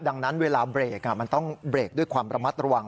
ดังนั้นเวลาเบรกมันต้องเบรกด้วยความระมัดระวัง